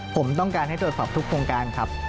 ผมต้องการให้ตรวจสอบทุกโครงการครับ